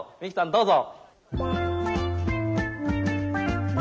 どうぞ。